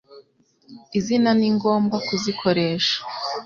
Izina ni ngombwa kuzikoresha